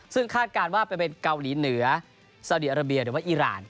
ซึ่งคาดการณ์ว่าไปเป็นเกาหลีเหนือซาดีอาราเบียหรือว่าอีราน